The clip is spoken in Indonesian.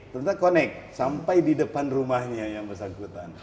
ternyata connect sampai di depan rumahnya yang bersangkutan